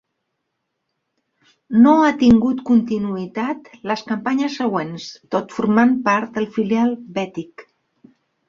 No ha tingut continuïtat les campanyes següents, tot formant part del filial bètic.